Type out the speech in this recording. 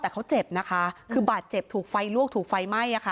แต่เขาเจ็บนะคะคือบาดเจ็บถูกไฟลวกถูกไฟไหม้อะค่ะ